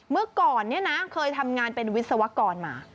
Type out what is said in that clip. เมื่อก่อนเนี่ยนะเคยทำงานเป็นวิศวกรมา